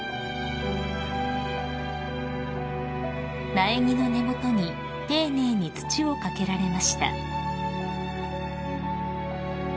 ［苗木の根元に丁寧に土を掛けられました］